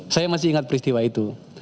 saya masih ingat peristiwa itu